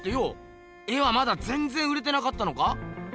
絵はまだぜんぜん売れてなかったのか？